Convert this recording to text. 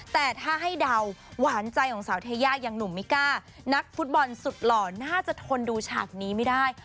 แต่ถ้าให้เดาหวานใจของสาวเทย่ายังหนุ่มมิก้านักฟุตบอลสุดหล่อน่าจะทนดูฉากนี้ไม่ได้